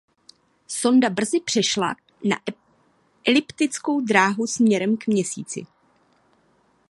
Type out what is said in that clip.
Sonda brzy přešla na eliptickou dráhu směrem k Měsíci.